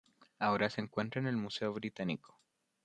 Ahora se encuentra en el Museo Británico.